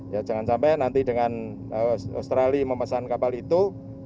ya jangan sampai nanti dengan australia memesan kapal itu